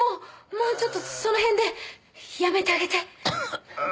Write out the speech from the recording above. もうちょっとそのへんでやめてあげて。